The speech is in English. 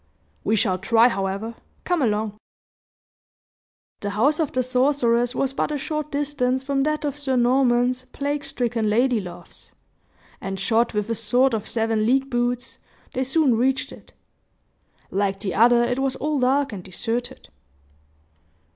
"We shall try, however. Come along!" The house of the sorceress was but a short distance from that of Sir Norman's plague stricken lady love's; and shod with a sort of seven league boots, they soon reached it. Like the other, it was all dark and deserted.